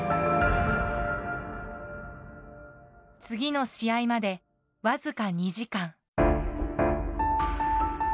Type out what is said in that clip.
次の試合まで僅か２時間。